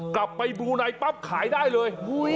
กลับไปบลูไนปั๊บขายได้เลย